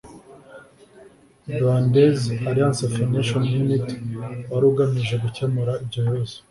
Rwandese Alliance for National Unity) wari ugamije gukemura ibyo bibazo.